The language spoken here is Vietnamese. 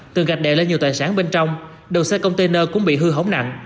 từng gạch đèo lên nhiều tài sản bên trong đầu xe container cũng bị hư hống nặng